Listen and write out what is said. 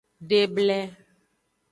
De eble.